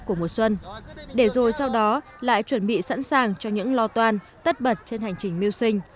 của mùa xuân để rồi sau đó lại chuẩn bị sẵn sàng cho những lo toan tất bật trên hành trình mưu sinh